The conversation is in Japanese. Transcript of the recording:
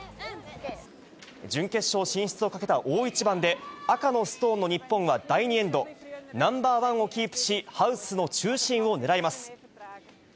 準決勝進出をかけた大一番で、赤のストーンの日本は第２エンド、ナンバーワンをキープし、ハウスの中心をねらいます。